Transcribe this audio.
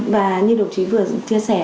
và như đồng chí vừa chia sẻ